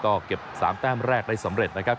ก็เก็บ๓แต้มแรกได้สำเร็จนะครับ